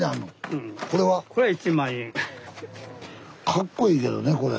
かっこいいけどねこれ。